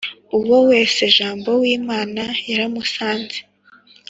uwo wese jambo w’imana yaramusanze